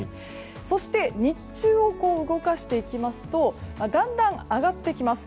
そして日中を動かしていきますとだんだん上がってきます。